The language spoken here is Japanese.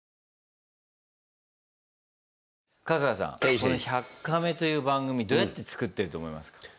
この「１００カメ」という番組どうやって作ってると思いますか？